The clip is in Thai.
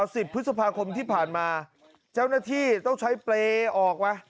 สิบพฤษภาคมที่ผ่านมาเจ้าหน้าที่ต้องใช้เปรย์ออกไว้